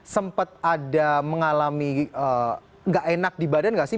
sempat ada mengalami gak enak di badan gak sih